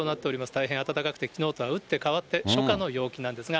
大変暖かくて、きのうとは打って変わって、初夏の陽気なんですが。